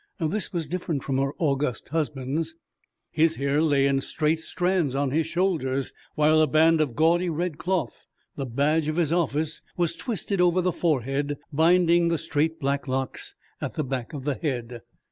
This was different from her august husband's. His hair lay in straight strands on his shoulders, while a band of gaudy red cloth, the badge of his office, was twisted over The forehead, binding the straight, black locks at the back of the head.